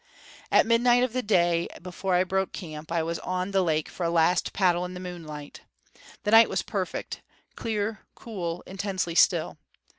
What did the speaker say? At midnight of the day before I broke camp, I was out on the lake for a last paddle in the moonlight. The night was perfect, clear, cool, intensely still.